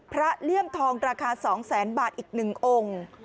เลี่ยมทองราคา๒แสนบาทอีก๑องค์